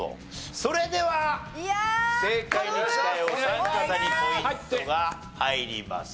それでは正解に近いお三方にポイントが入ります。